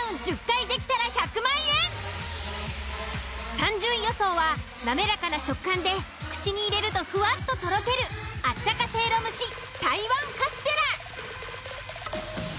３０位予想は滑らかな食感で口に入れるとふわっととろけるあったか蒸籠蒸し台湾カステラ。